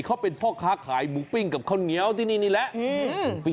เขาเป็นพ่อค้าขายหมูปิ้งกับข้าวเหนียวที่นี่นี่แหละ